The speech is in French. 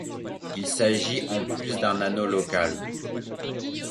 Il s'agit en plus d'un anneau local.